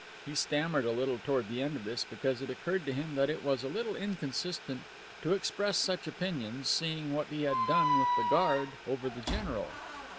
He stammered a little toward the end of this, because it occurred to him that it was a little inconsistent to express such opinions, seeing what he had done with the guard over the general.